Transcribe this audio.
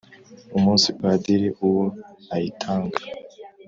Umunsi Padiri uwo ayitanga,